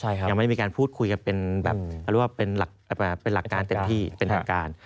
ยังไม่มีการพูดคุยกันเป็นแบบเป็นหลักการเต็มที่เป็นทางการ